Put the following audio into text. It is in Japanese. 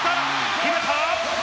決めた！